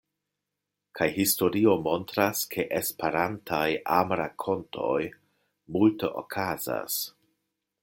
Kaj historio montras ke Esperantaj amrakontoj multe okazas.